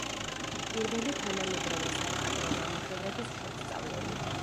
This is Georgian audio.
პირველი თანამედროვე სამხატვრო ნამუშევრების შემსწავლელი.